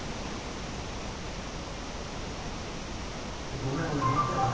ごめんごめん待ったよな。